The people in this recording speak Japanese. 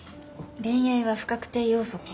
恋愛は不確定要素か。